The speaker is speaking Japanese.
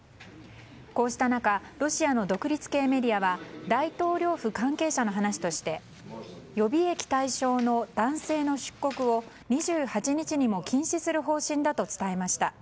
こうした中ロシアの独立系メディアは大統領府関係者の話として予備役対象の男性の出国を２８日にも禁止する方針だと伝えました。